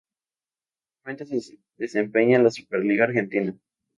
Actualmente se desempeña en la Superliga Argentina.